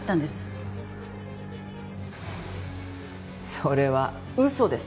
それは嘘です。